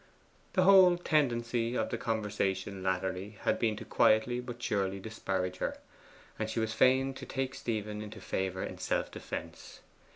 The whole tendency of the conversation latterly had been to quietly but surely disparage her; and she was fain to take Stephen into favour in self defence.